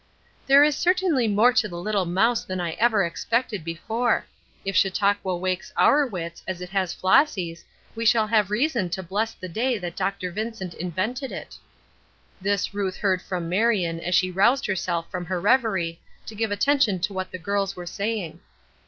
"There is certainly more to the little mouse than I ever expected before. If Chautauqua wakes our wits as it has Flossy's we shall have reason to bless the day that Dr. Vincent invented it." This Ruth heard from Marion as she roused herself from her reverie to give attention to what the girls were saying.